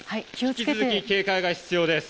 引き続き警戒が必要です。